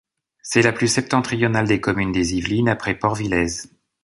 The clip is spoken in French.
C'est la plus septentrionale des communes des Yvelines après Port-Villez.